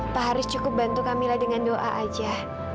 pak haris cukup bantu kamilah dengan doa aja